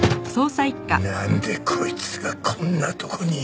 なんでこいつがこんなとこに！